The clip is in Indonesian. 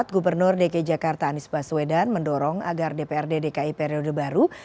gubernur dki jakarta anies baswedan mendorong agar dprd dki periode baru